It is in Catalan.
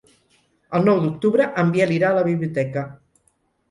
El nou d'octubre en Biel irà a la biblioteca.